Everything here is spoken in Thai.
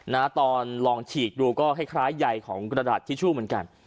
นะตอนลองฉีกดูก็คล้ายใยของกระดาษทิชชู่เหมือนกัน